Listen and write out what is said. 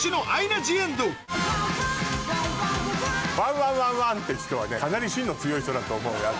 「ワンワンワンワン」って人はねかなり心の強い人だと思うよ私。